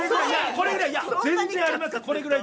これぐらい全然あります。